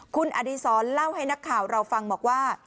คุณอดีศรเล่าให้นักข่าวเราฟังบอกว่า